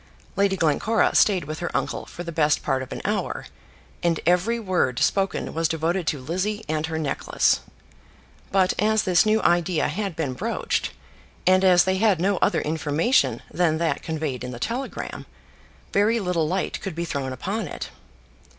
Lady Glencora stayed with her uncle for the best part of an hour, and every word spoken was devoted to Lizzie and her necklace; but as this new idea had been broached, and as they had no other information than that conveyed in the telegram, very little light could be thrown upon it.